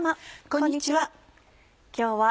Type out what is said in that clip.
こんにちは。